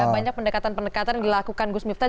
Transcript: banyak pendekatan pendekatan yang dilakukan gus miftah